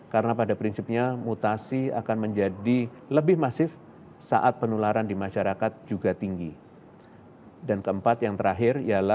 karena pada prinsipnya mutasi akan menjadi lebih masif saat penularan di masyarakat juga tinggi